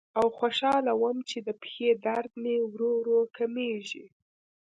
او خوشاله وم چې د پښې درد مې ورو ورو کمیږي.